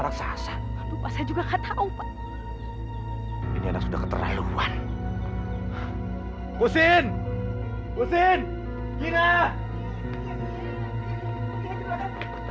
raksasa lupa saya juga enggak tahu pak ini sudah keterlaluan kusin kusin kira kira